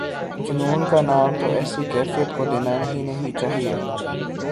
جنون کا نام تو ایسی کیفیت کو دینا ہی نہیں چاہیے۔